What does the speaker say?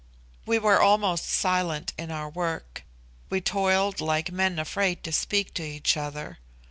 We were almost silent in our work. We toiled like men afraid to speak to each other.